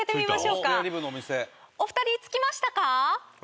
お二人着きましたか？